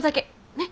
ねっ。